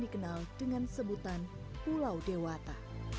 dikenal dengan sebutan pulau dewata